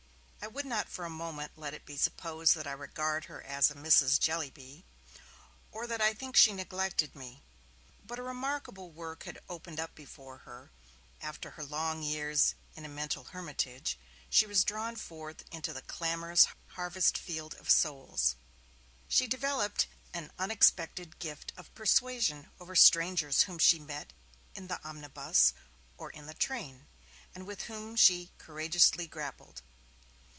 I would not for a moment let it be supposed that I regard her as a Mrs. Jellyby, or that I think she neglected me. But a remarkable work had opened up before her; after her long years in a mental hermitage, she was drawn forth into the clamorous harvest field of souls. She developed an unexpected gift of persuasion over strangers whom she met in the omnibus or in the train, and with whom she courageously grappled.